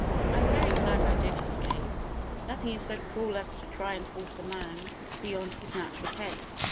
I am very glad I did escape. Nothing is so cruel as to try and force a man beyond his natural pace.